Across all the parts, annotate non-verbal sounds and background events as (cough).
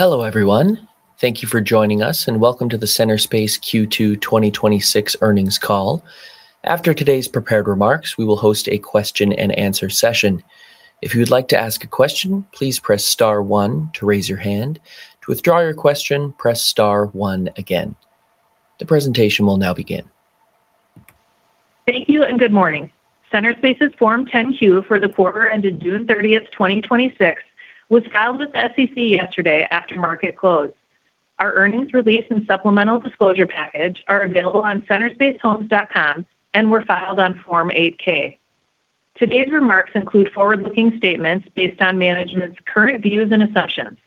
Hello, everyone. Thank you for joining us, and welcome to the Centerspace Q2 2026 earnings call. After today's prepared remarks, we will host a question-and-answer session. If you would like to ask a question, please press star one to raise your hand. To withdraw your question, press star one again. The presentation will now begin. Thank you. Good morning. Centerspace's Form 10-Q for the quarter ended June 30th, 2026, was filed with the SEC yesterday after market close. Our earnings release and supplemental disclosure package are available on centerspacehomes.com and were filed on Form 8-K. Today's remarks include forward-looking statements based on management's current views and assumptions.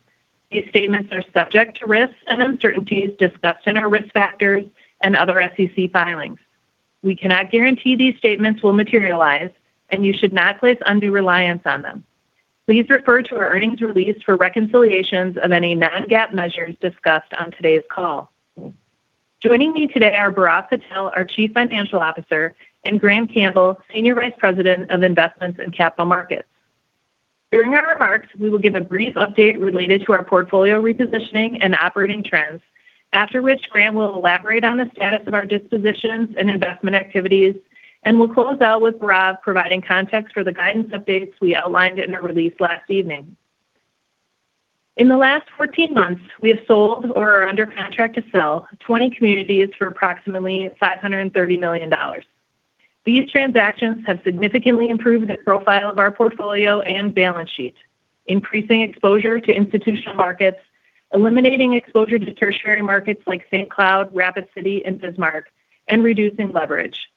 These statements are subject to risks and uncertainties discussed in our risk factors and other SEC filings. We cannot guarantee these statements will materialize, and you should not place undue reliance on them. Please refer to our earnings release for reconciliations of any non-GAAP measures discussed on today's call. Joining me today are Bhairav Patel, our Chief Financial Officer, and Grant Campbell, Senior Vice President of Investments in Capital Markets. During our remarks, we will give a brief update related to our portfolio repositioning and operating trends. After which, Grant will elaborate on the status of our dispositions and investment activities. We'll close out with Bhairav providing context for the guidance updates we outlined in our release last evening. In the last 14 months, we have sold or are under contract to sell 20 communities for approximately $530 million. These transactions have significantly improved the profile of our portfolio and balance sheet, increasing exposure to institutional markets, eliminating exposure to tertiary markets like St. Cloud, Rapid City, and Bismarck, and reducing leverage.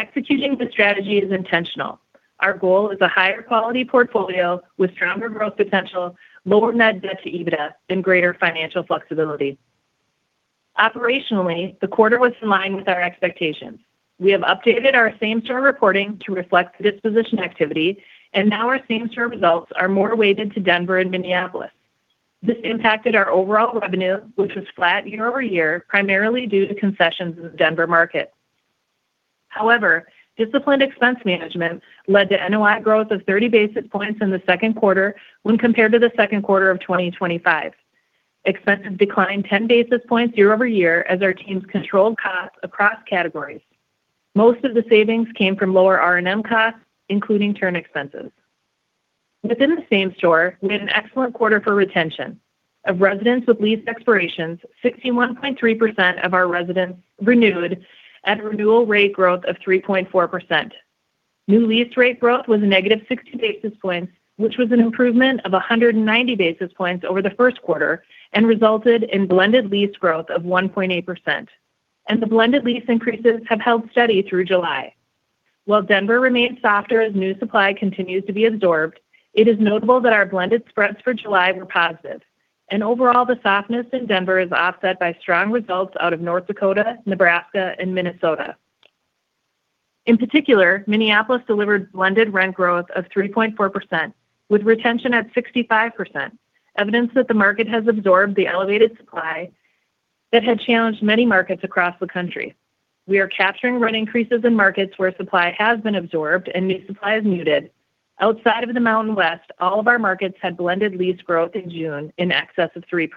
Executing this strategy is intentional. Our goal is a higher quality portfolio with stronger growth potential, lower Net Debt to EBITDA, and greater financial flexibility. Operationally, the quarter was in line with our expectations. We have updated our same-store reporting to reflect disposition activity. Now our same-store results are more weighted to Denver and Minneapolis. This impacted our overall revenue, which was flat year-over-year, primarily due to concessions in the Denver market. However, disciplined expense management led to NOI growth of 30 basis points in the second quarter when compared to the second quarter of 2025. Expenses declined 10 basis points year-over-year as our teams controlled costs across categories. Most of the savings came from lower R&M costs, including turn expenses. Within the same store, we had an excellent quarter for retention. Of residents with lease expirations, 61.3% of our residents renewed at a renewal rate growth of 3.4%. New lease rate growth was -60 basis points, which was an improvement of 190 basis points over the first quarter and resulted in blended lease growth of 1.8%. The blended lease increases have held steady through July. While Denver remains softer as new supply continues to be absorbed, it is notable that our blended spreads for July were positive. Overall, the softness in Denver is offset by strong results out of North Dakota, Nebraska, and Minnesota. In particular, Minneapolis delivered blended rent growth of 3.4%, with retention at 65%, evidence that the market has absorbed the elevated supply that had challenged many markets across the country. We are capturing rent increases in markets where supply has been absorbed and new supply is muted. Outside of the Mountain West, all of our markets had blended lease growth in June in excess of 3%.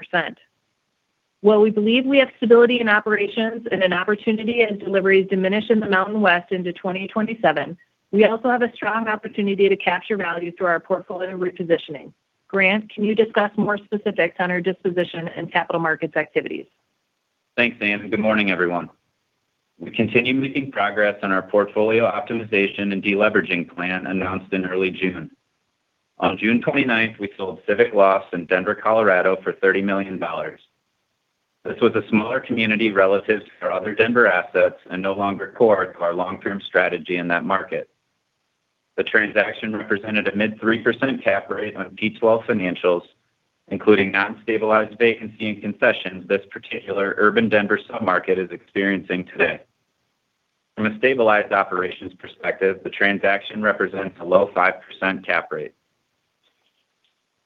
While we believe we have stability in operations and an opportunity as deliveries diminish in the Mountain West into 2027. We also have a strong opportunity to capture value through our portfolio repositioning. Grant, can you discuss more specifics on our disposition and capital markets activities? Thanks, Anne, good morning, everyone. We continue making progress on our portfolio optimization and de-leveraging plan announced in early June. On June 29th, we sold Civic Lofts in Denver, Colorado, for $30 million. This was a smaller community relative to our other Denver assets and no longer core to our long-term strategy in that market. The transaction represented a mid 3% cap rate on T12 financials, including non-stabilized vacancy and concessions this particular urban Denver sub-market is experiencing today. From a stabilized operations perspective, the transaction represents a low 5% cap rate.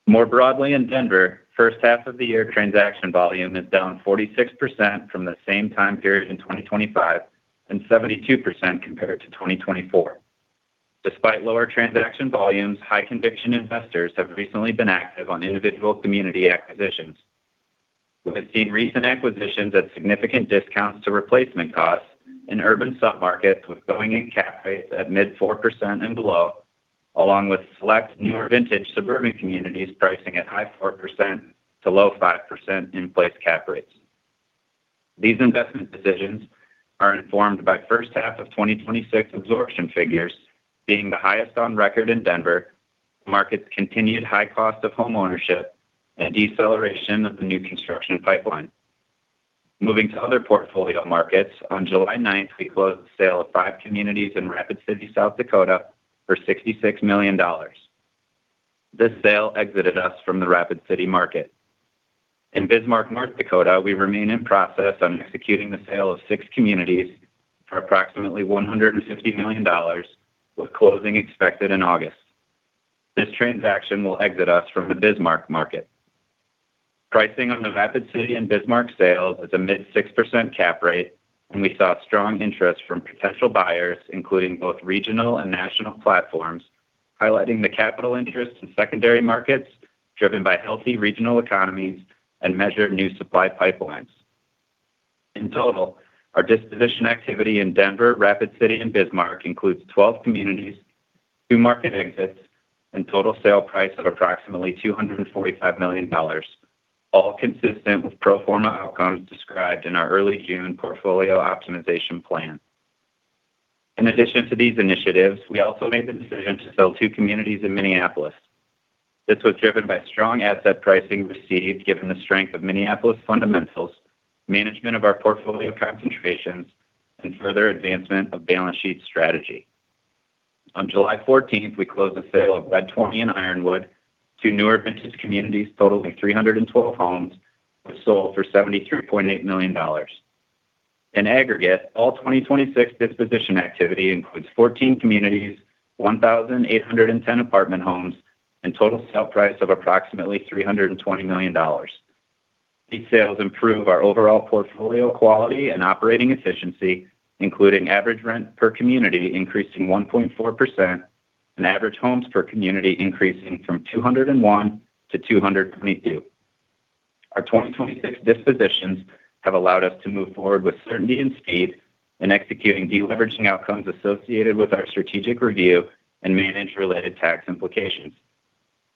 More broadly in Denver, first half of the year transaction volume is down 46% from the same time period in 2025 and 72% compared to 2024. Despite lower transaction volumes, high conviction investors have recently been active on individual community acquisitions. We have seen recent acquisitions at significant discounts to replacement costs in urban submarkets with going-in cap rates at mid 4% and below, along with select newer vintage suburban communities pricing at high 4% to low 5% in place cap rates. These investment decisions are informed by first half of 2026 absorption figures being the highest on record in Denver, market's continued high cost of homeownership, and deceleration of the new construction pipeline. Moving to other portfolio markets, on July 9th, we closed the sale of five communities in Rapid City, South Dakota, for $66 million. This sale exited us from the Rapid City market. In Bismarck, North Dakota, we remain in process on executing the sale of six communities for approximately $150 million with closing expected in August. This transaction will exit us from the Bismarck market. Pricing on the Rapid City and Bismarck sales is a mid 6% cap rate, highlighting the capital interest in secondary markets driven by healthy regional economies and measured new supply pipelines. In total, our disposition activity in Denver, Rapid City, and Bismarck includes 12 communities, two market exits, and total sale price of approximately $245 million, all consistent with pro forma outcomes described in our early June portfolio optimization plan. In addition to these initiatives, we also made the decision to sell two communities in Minneapolis. This was driven by strong asset pricing received given the strength of Minneapolis fundamentals, management of our portfolio concentrations, and further advancement of balance sheet strategy. On July 14th, we closed the sale of Red 20 and Ironwood to newer vintage communities totaling 312 homes, which sold for $73.8 million. In aggregate, all 2026 disposition activity includes 14 communities, 1,810 apartment homes, and total sale price of approximately $320 million. These sales improve our overall portfolio quality and operating efficiency, including average rent per community increasing 1.4% and average homes per community increasing from 201 to 222. Our 2026 dispositions have allowed us to move forward with certainty and speed in executing de-leveraging outcomes associated with our strategic review and manage related tax implications.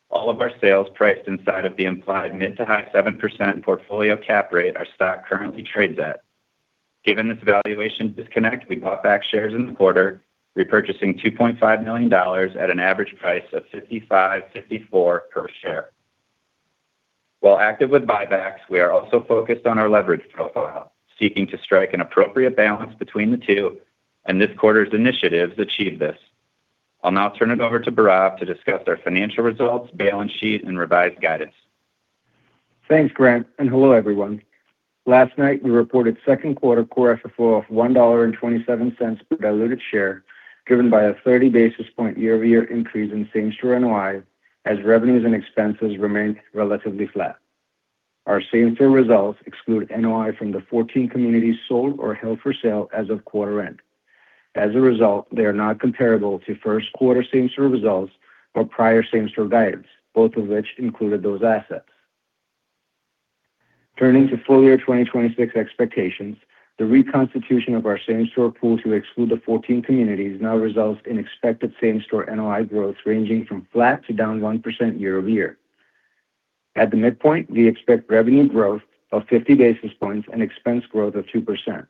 All of our sales priced inside of the implied mid to high 7% portfolio cap rate, our stock currently trades at. Given this valuation disconnect, we bought back shares in the quarter, repurchasing $2.5 million at an average price of $55.54 per share. While active with buybacks, we are also focused on our leverage profile, seeking to strike an appropriate balance between the two, this quarter's initiatives achieve this. I'll now turn it over to Bhairav to discuss our financial results, balance sheet, and revised guidance. Thanks, Grant, hello, everyone. Last night we reported second quarter Core FFO of $1.27 per diluted share, driven by a 30 basis point year-over-year increase in same-store NOI as revenues and expenses remained relatively flat. Our same-store results exclude NOI from the 14 communities sold or held for sale as of quarter end. As a result, they are not comparable to first quarter same-store results or prior same-store guidance, both of which included those assets. Turning to full-year 2026 expectations. The reconstitution of our same-store pool to exclude the 14 communities now results in expected same-store NOI growth ranging from flat to down 1% year-over-year. At the midpoint, we expect revenue growth of 50 basis points and expense growth of 2%.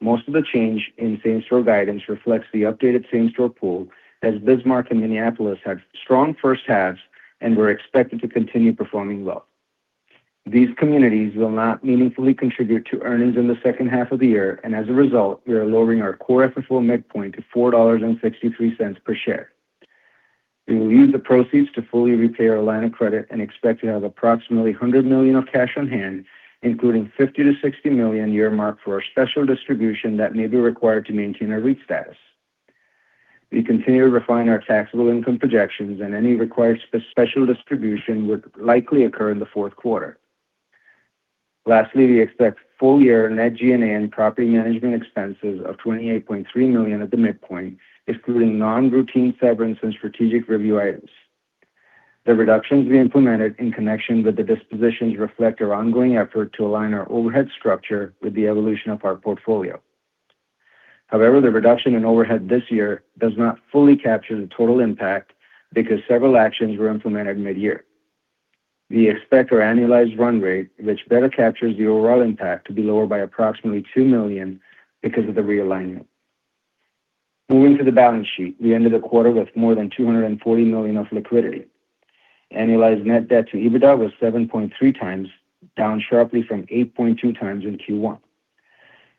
Most of the change in same-store guidance reflects the updated same-store pool, as Bismarck and Minneapolis had strong first halves and were expected to continue performing well. These communities will not meaningfully contribute to earnings in the second half of the year. As a result, we are lowering our Core FFO midpoint to $4.63 per share. We will use the proceeds to fully repay our line of credit and expect to have approximately $100 million of cash on hand, including $50 million-$60 million earmarked for a special distribution that may be required to maintain our REIT status. We continue to refine our taxable income projections, and any required special distribution would likely occur in the fourth quarter. Lastly, we expect full-year net G&A and property management expenses of $28.3 million at the midpoint, excluding non-routine severance and strategic review items. The reductions we implemented in connection with the dispositions reflect our ongoing effort to align our overhead structure with the evolution of our portfolio. The reduction in overhead this year does not fully capture the total impact because several actions were implemented mid-year. We expect our annualized run rate, which better captures the overall impact, to be lower by approximately $2 million because of the realignment. Moving to the balance sheet, we ended the quarter with more than $240 million of liquidity. Annualized Net Debt to EBITDA was 7.3x, down sharply from 8.2x in Q1.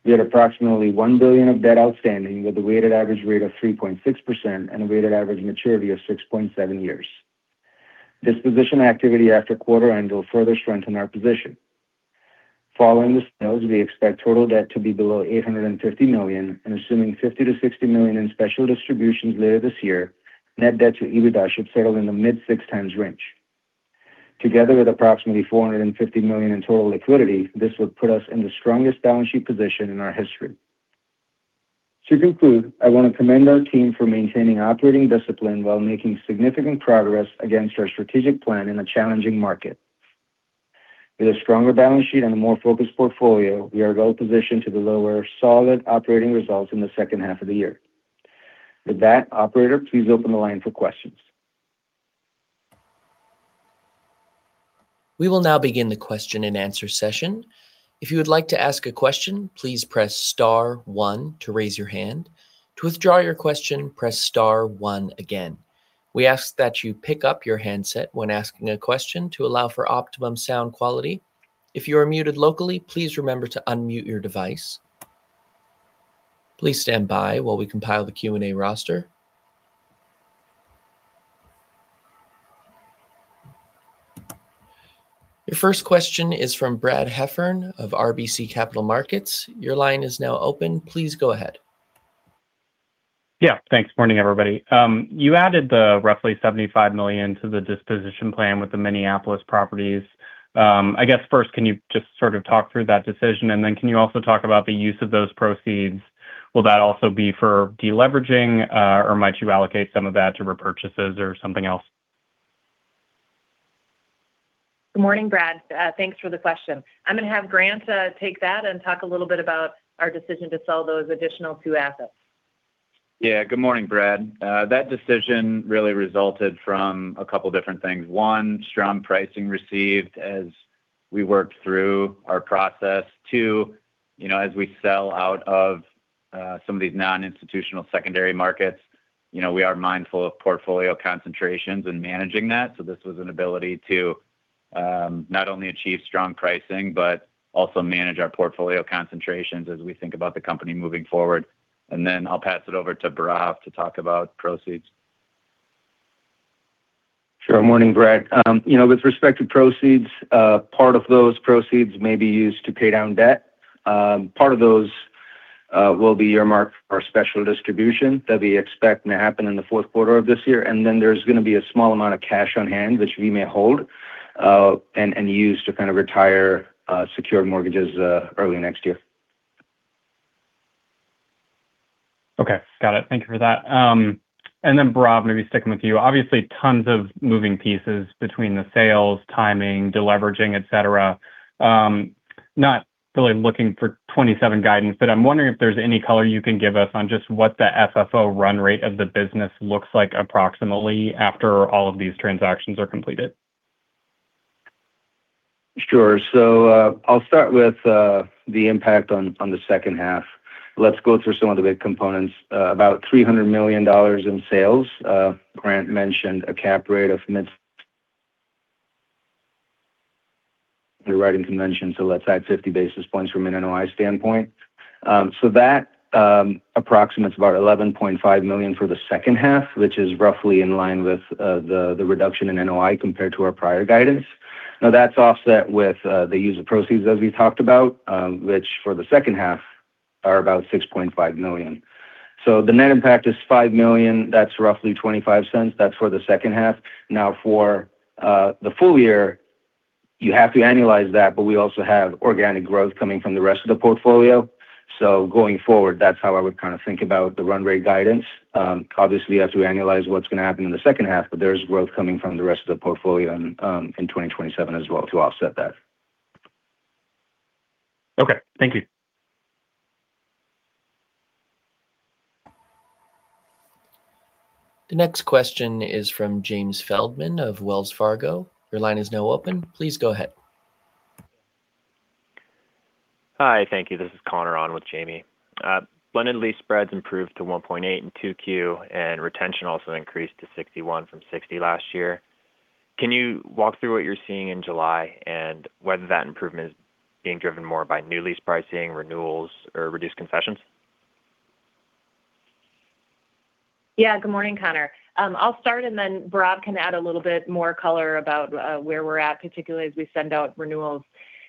We had approximately $1 billion of debt outstanding, with a weighted average rate of 3.6% and a weighted average maturity of 6.7 years. Disposition activity after quarter end will further strengthen our position. Following the sales, we expect total debt to be below $850 million. Assuming $50 million-$60 million in special distributions later this year, Net Debt to EBITDA should settle in the mid-6x range. Together with approximately $450 million in total liquidity, this would put us in the strongest balance sheet position in our history. To conclude, I want to commend our team for maintaining operating discipline while making significant progress against our strategic plan in a challenging market. With a stronger balance sheet and a more focused portfolio, we are well positioned to deliver solid operating results in the second half of the year. With that, operator, please open the line for questions. We will now begin the question-and-answer session. If you would like to ask a question, please press star one to raise your hand. To withdraw your question, press star one again. We ask that you pick up your handset when asking a question to allow for optimum sound quality. If you are muted locally, please remember to unmute your device. Please stand by while we compile the Q&A roster. Your first question is from Brad Heffern of RBC Capital Markets. Your line is now open. Please go ahead. Thanks. Morning, everybody. You added the roughly $75 million to the disposition plan with the Minneapolis properties. First can you just sort of talk through that decision, and then can you also talk about the use of those proceeds? Will that also be for de-leveraging, or might you allocate some of that to repurchases or something else? Good morning, Brad. Thanks for the question. I'm going to have Grant take that and talk a little bit about our decision to sell those additional two assets. Good morning, Brad. That decision really resulted from a couple different things. One, strong pricing received as we worked through our process. Two, as we sell out of some of these non-institutional secondary markets, we are mindful of portfolio concentrations and managing that, this was an ability to not only achieve strong pricing, but also manage our portfolio concentrations as we think about the company moving forward. Then I'll pass it over to Bhairav to talk about proceeds. Sure. Morning, Brad. With respect to proceeds, part of those proceeds may be used to pay down debt. Part of those will be earmarked for a special distribution that we expect to happen in the fourth quarter of this year. Then there's going to be a small amount of cash on hand, which we may hold, and use to kind of retire secured mortgages early next year. Okay. Got it. Thank you for that. Bhairav, maybe sticking with you. Obviously, tons of moving pieces between the sales, timing, deleveraging, etc. Not really looking for 2027 guidance, but I'm wondering if there's any color you can give us on just what the FFO run rate of the business looks like approximately after all of these transactions are completed. Sure. I'll start with the impact on the second half. Let's go through some of the big components. About $300 million in sales. Grant mentioned a cap rate of, (inaudible) let's add 50 basis points from an NOI standpoint. That approximates about $11.5 million for the second half, which is roughly in line with the reduction in NOI compared to our prior guidance. That's offset with the use of proceeds as we talked about, which for the second half are about $6.5 million. The net impact is $5 million. That's roughly $0.25. That's for the second half. For the full year, you have to annualize that, but we also have organic growth coming from the rest of the portfolio. Going forward, that's how I would kind of think about the run rate guidance. Obviously, as we annualize what's going to happen in the second half, there's growth coming from the rest of the portfolio in 2027 as well to offset that. Okay. Thank you. The next question is from James Feldman of Wells Fargo. Your line is now open. Please go ahead. Hi, thank you. This is Conor on with Jamie. Blended lease spreads improved to 1.8% in 2Q, and retention also increased to 61 from 60 last year. Can you walk through what you're seeing in July, and whether that improvement is being driven more by new lease pricing, renewals, or reduced concessions? Good morning, Conor. I'll start and then Bhairav can add a little bit more color about where we're at, particularly as we send out renewals.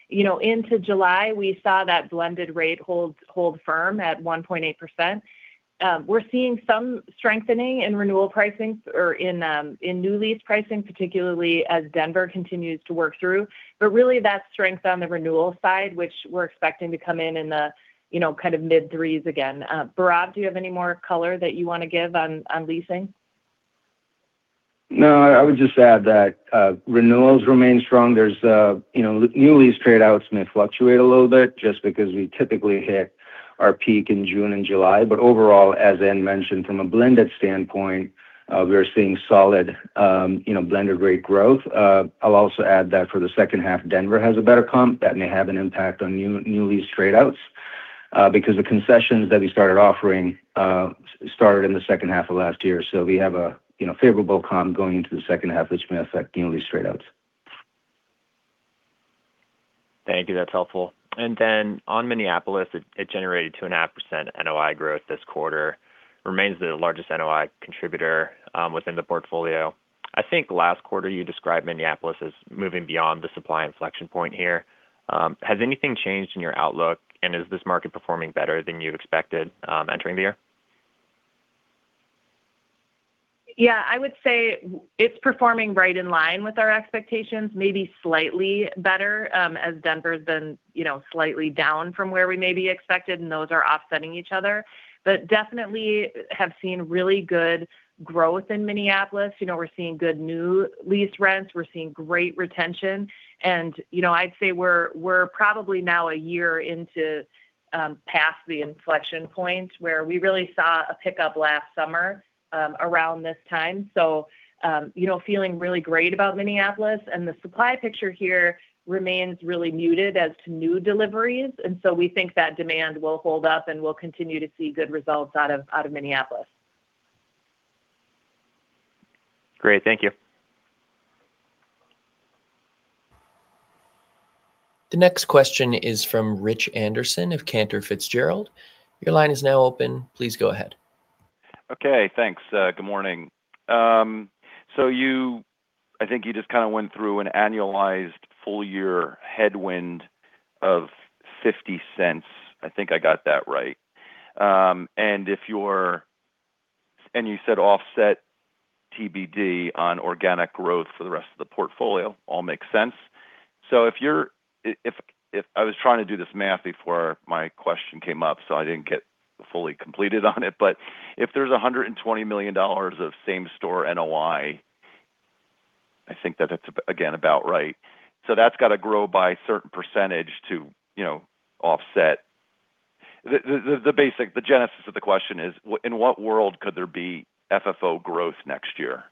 Into July, we saw that blended rate hold firm at 1.8%. We're seeing some strengthening in renewal pricing or in new lease pricing, particularly as Denver continues to work through. Really that strength on the renewal side, which we're expecting to come in in the mid threes again. Bhairav, do you have any more color that you want to give on leasing? No, I would just add that renewals remain strong. New lease trade outs may fluctuate a little bit just because we typically hit our peak in June and July. Overall, as Anne mentioned, from a blended standpoint, we are seeing solid blended rate growth. I'll also add that for the second half, Denver has a better comp that may have an impact on new lease trade outs, because the concessions that we started offering started in the second half of last year. We have a favorable comp going into the second half, which may affect new lease trade outs. Thank you. That's helpful. On Minneapolis, it generated 2.5% NOI growth this quarter. Remains the largest NOI contributor within the portfolio. I think last quarter you described Minneapolis as moving beyond the supply inflection point here. Has anything changed in your outlook, and is this market performing better than you expected entering the year? Yeah, I would say it's performing right in line with our expectations, maybe slightly better, as Denver's been slightly down from where we maybe expected, and those are offsetting each other. Definitely have seen really good growth in Minneapolis. We're seeing good new lease rents. We're seeing great retention. I'd say we're probably now a year into past the inflection point where we really saw a pickup last summer around this time. Feeling really great about Minneapolis. The supply picture here remains really muted as to new deliveries. We think that demand will hold up and we'll continue to see good results out of Minneapolis. Great. Thank you. The next question is from Rich Anderson of Cantor Fitzgerald. Your line is now open. Please go ahead. Okay, thanks. Good morning. I think you just kind of went through an annualized full year headwind of $0.50. I think I got that right. You said offset TBD on organic growth for the rest of the portfolio. All makes sense. I was trying to do this math before my question came up, so I didn't get fully completed on it. If there's $120 million of same store NOI, I think that it's, again, about right. That's got to grow by a certain percentage to offset. The genesis of the question is, in what world could there be FFO growth next year?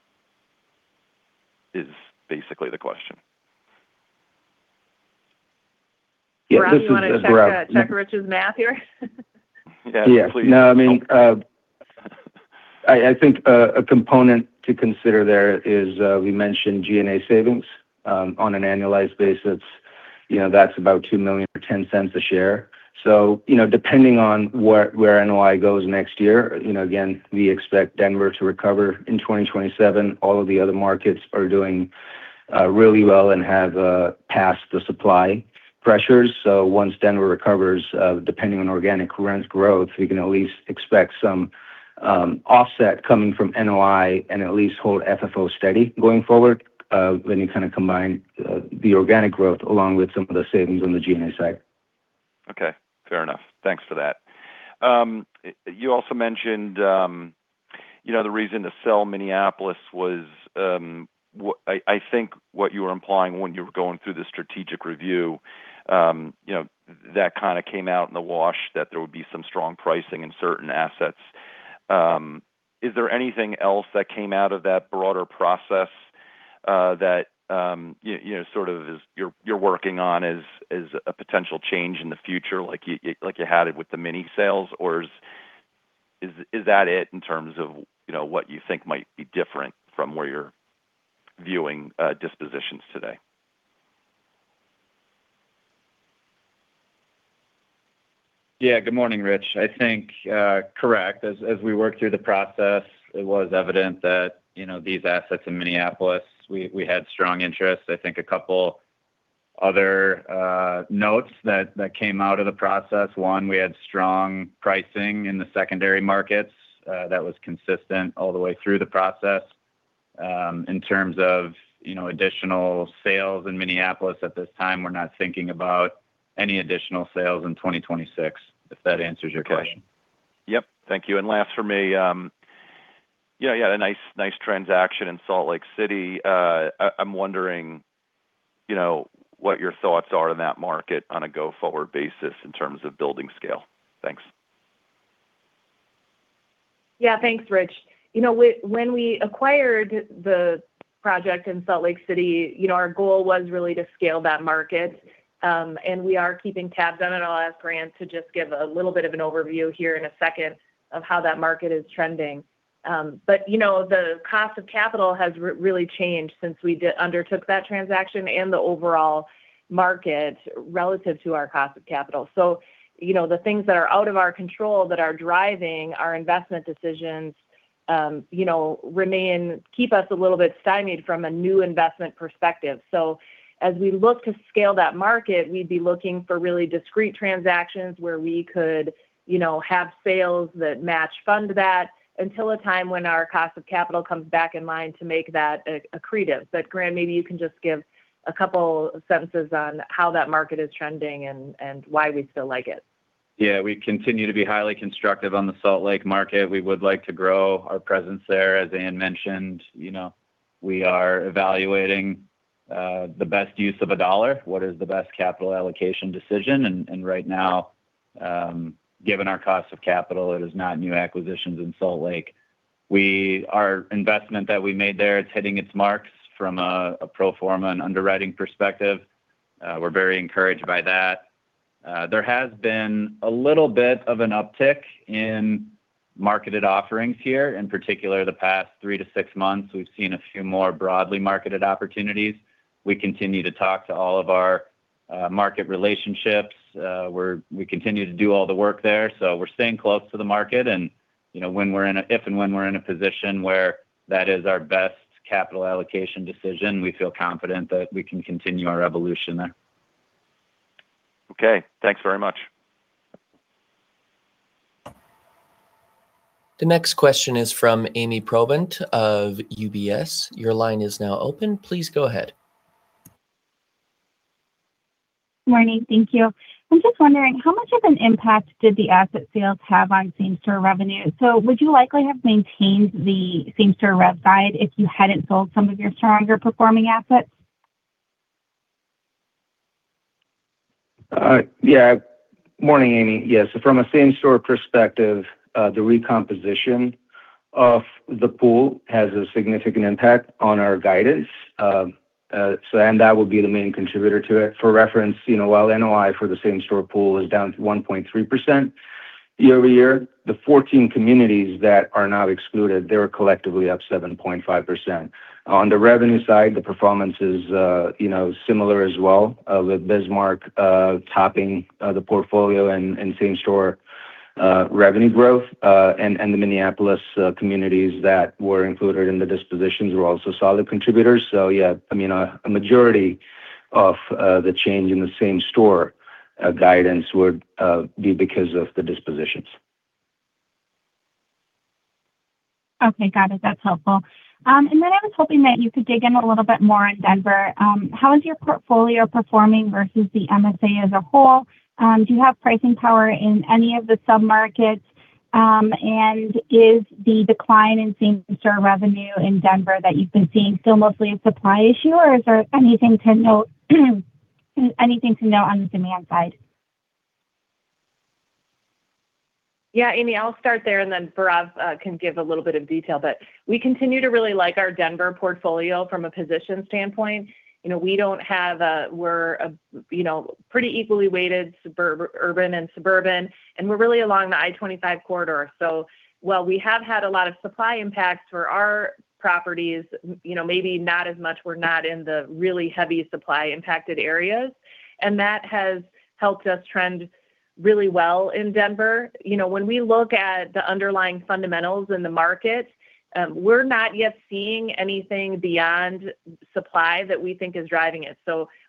Is basically the question. Grant, you want to check Rich's math here? Yeah, please. I think a component to consider there is, we mentioned G&A savings. On an annualized basis, that's about $2 million or $0.10 a share. Depending on where NOI goes next year, again, we expect Denver to recover in 2027. All of the other markets are doing really well and have passed the supply pressures. Once Denver recovers, depending on organic rent growth, we can at least expect some offset coming from NOI and at least hold FFO steady going forward, when you combine the organic growth along with some of the savings on the G&A side. Okay. Fair enough. Thanks for that. You also mentioned the reason to sell Minneapolis was, I think what you were implying when you were going through the strategic review, that kind of came out in the wash that there would be some strong pricing in certain assets. Is there anything else that came out of that broader process that you're working on as a potential change in the future, like you had it with the mini sales, or is that it in terms of what you think might be different from where you're viewing dispositions today? Good morning, Rich. I think, correct. As we worked through the process, it was evident that these assets in Minneapolis, we had strong interest. I think a couple other notes that came out of the process. One, we had strong pricing in the secondary markets. That was consistent all the way through the process. In terms of additional sales in Minneapolis at this time, we're not thinking about any additional sales in 2026. If that answers your question. Okay. Yep. Thank you. Last for me. A nice transaction in Salt Lake City. I'm wondering what your thoughts are in that market on a go-forward basis in terms of building scale. Thanks. Thanks, Rich. When we acquired the project in Salt Lake City, our goal was really to scale that market. We are keeping tabs on it. I'll ask Grant to just give a little bit of an overview here in a second of how that market is trending. The cost of capital has really changed since we undertook that transaction and the overall market relative to our cost of capital. The things that are out of our control that are driving our investment decisions keep us a little bit stymied from a new investment perspective. As we look to scale that market, we'd be looking for really discreet transactions where we could have sales that match fund that until a time when our cost of capital comes back in line to make that accretive. Grant, maybe you can just give a couple sentences on how that market is trending and why we still like it. Yeah. We continue to be highly constructive on the Salt Lake market. We would like to grow our presence there. As Anne mentioned, we are evaluating the best use of a dollar. What is the best capital allocation decision? Right now, given our cost of capital, it is not new acquisitions in Salt Lake. Our investment that we made there, it's hitting its marks from a pro forma and underwriting perspective. We're very encouraged by that. There has been a little bit of an uptick in marketed offerings here. In particular, the past three to six months, we've seen a few more broadly marketed opportunities. We continue to talk to all of our market relationships. We continue to do all the work there. We're staying close to the market, and if and when we're in a position where that is our best capital allocation decision, we feel confident that we can continue our evolution there. Okay. Thanks very much. The next question is from Ami Probandt of UBS. Your line is now open. Please go ahead. Morning. Thank you. I am just wondering, how much of an impact did the asset sales have on same-store revenue? Would you likely have maintained the same-store rev guide if you had not sold some of your stronger performing assets? Yeah. Morning, Ami. Yeah. From a same-store perspective, the recomposition of the pool has a significant impact on our guidance. That would be the main contributor to it. For reference, while NOI for the same-store pool is down to 1.3% year-over-year, the 14 communities that are now excluded, they were collectively up 7.5%. On the revenue side, the performance is similar as well, with Bismarck topping the portfolio and same-store revenue growth. The Minneapolis communities that were included in the dispositions were also solid contributors. Yeah, a majority of the change in the same-store guidance would be because of the dispositions. Okay. Got it. That is helpful. Then I was hoping that you could dig in a little bit more on Denver. How is your portfolio performing versus the MSA as a whole? Do you have pricing power in any of the sub-markets? Is the decline in same-store revenue in Denver that you have been seeing still mostly a supply issue, or is there anything to note on the demand side? Ami, I'll start there, Bhairav can give a little bit of detail. We continue to really like our Denver portfolio from a position standpoint. We're pretty equally weighted urban and suburban, and we're really along the I-25 corridor. While we have had a lot of supply impacts for our properties, maybe not as much, we're not in the really heavy supply impacted areas, and that has helped us trend really well in Denver. When we look at the underlying fundamentals in the market, we're not yet seeing anything beyond supply that we think is driving it.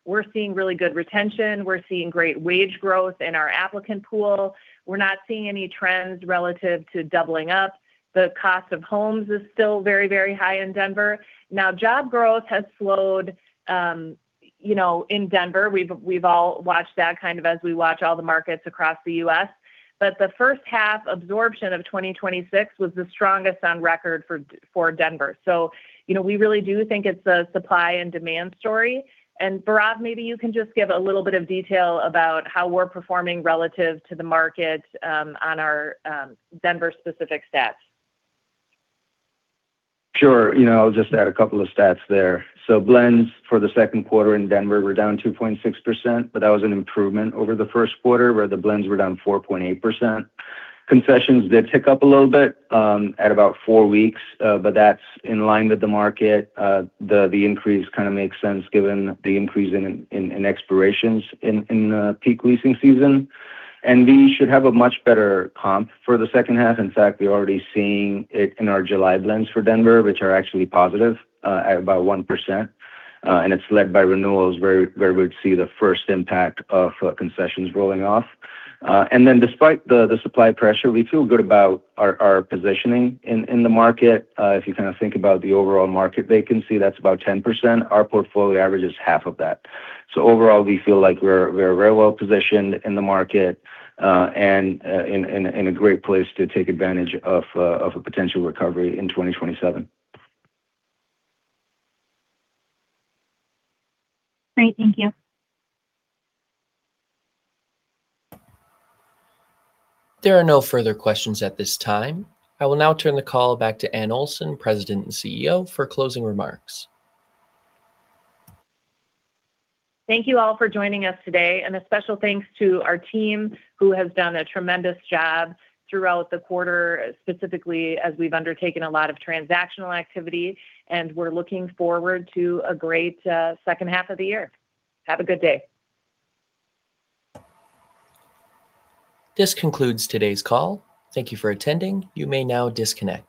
We're seeing really good retention. We're seeing great wage growth in our applicant pool. We're not seeing any trends relative to doubling up. The cost of homes is still very high in Denver. Job growth has slowed in Denver. We've all watched that kind of as we watch all the markets across the U.S. The first half absorption of 2026 was the strongest on record for Denver. We really do think it's a supply and demand story. Bhairav, maybe you can just give a little bit of detail about how we're performing relative to the market on our Denver specific stats. Sure. I'll just add a couple of stats there. Blends for the second quarter in Denver were down 2.6%, but that was an improvement over the first quarter, where the blends were down 4.8%. Concessions did tick up a little bit at about four weeks. That's in line with the market. The increase kind of makes sense given the increase in expirations in the peak leasing season. We should have a much better comp for the second half. In fact, we're already seeing it in our July blends for Denver, which are actually positive at about 1%. It's led by renewals where we'd see the first impact of concessions rolling off. Despite the supply pressure, we feel good about our positioning in the market. If you kind of think about the overall market vacancy, that's about 10%. Our portfolio average is half of that. Overall, we feel like we're very well positioned in the market, and in a great place to take advantage of a potential recovery in 2027. Great. Thank you. There are no further questions at this time. I will now turn the call back to Anne Olson, President and CEO, for closing remarks. Thank you all for joining us today, and a special thanks to our team who has done a tremendous job throughout the quarter, specifically as we've undertaken a lot of transactional activity, and we're looking forward to a great second half of the year. Have a good day. This concludes today's call. Thank you for attending. You may now disconnect